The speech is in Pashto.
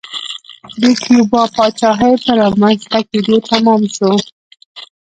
د کیوبا پاچاهۍ په رامنځته کېدو تمام شو.